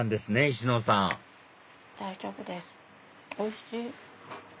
石野さん大丈夫ですおいしい！